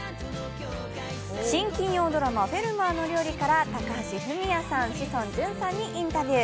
新金曜ドラマ「フェルマーの料理」から高橋文哉さん、志尊淳さんにインタビュー。